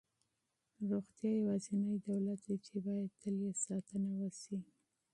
روغتیا یوازینی دولت دی چې باید تل یې ساتنه وشي.